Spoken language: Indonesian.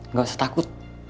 gak usah takut